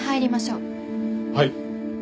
はい。